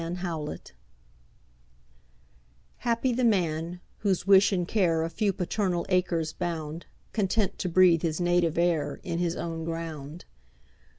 Y Z Solitude HAPPY the man, whose wish and care A few paternal acres bound, Content to breathe his native air In his own ground.